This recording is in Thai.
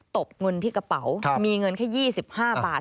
บเงินที่กระเป๋ามีเงินแค่๒๕บาท